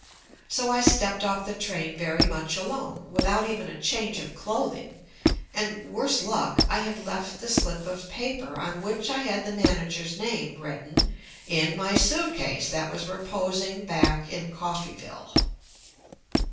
So I stepped JUST ME off the train very much alone, without even a change of clothing, and — worse luck, I had left the slip of paper on which I had the manager's name written in my suitcase that was reposing back in CofFeyville.